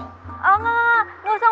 oh enggak enggak enggak